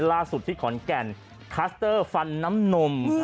ล่าสุดที่ขอนแก่นคลัสเตอร์ฟันน้ำนม